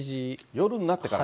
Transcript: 夜になってからか。